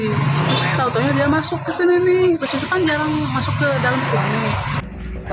terus tau taunya dia masuk kesini nih terus dari situ kan jarang masuk ke dalam sini